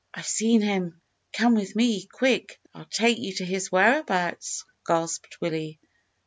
"I've seen him; come with me quick! I'll take you to his whereabouts," gasped Willie.